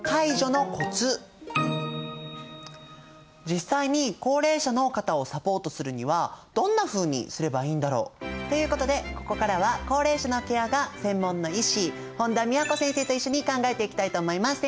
実際に高齢者の方をサポートするにはどんなふうにすればいいんだろう？ということでここからは高齢者のケアが専門の医師本田美和子先生と一緒に考えていきたいと思います。